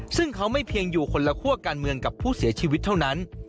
ซึ่งเขาไม่เพียงอยู่คนละคั่วการเมืองกับผู้เสียชีวิตเท่านั้น